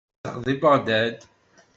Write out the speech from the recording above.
Tezdeɣ deg Beɣdad.